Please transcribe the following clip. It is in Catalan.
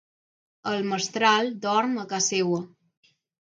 El mestral dorm a ca seua.